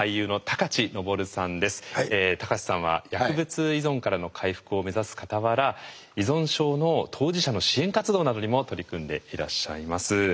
高知さんは薬物依存からの回復を目指すかたわら依存症の当事者の支援活動などにも取り組んでいらっしゃいます。